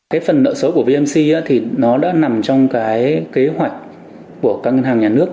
cái phần nợ xấu của vnc thì nó đã nằm trong cái kế hoạch của các ngân hàng nhà nước